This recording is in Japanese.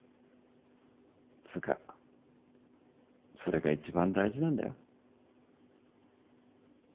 つうかそれが一番大事なんだよ。